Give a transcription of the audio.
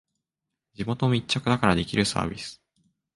地元密着だからできるサービス